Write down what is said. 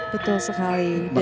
betul sekali dan